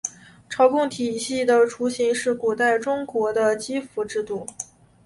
朝贡体系的雏形是古代中国的畿服制度。